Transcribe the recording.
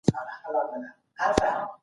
نامناسبه استفاده د وروسته پاته والي سبب کیږي.